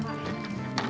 kok kok dia disini